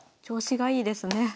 調子がいいですね。